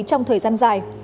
trong thời gian dài